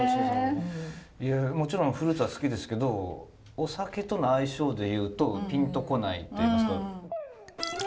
いやもちろんフルーツは好きですけどお酒との相性で言うとぴんと来ないっていいますか。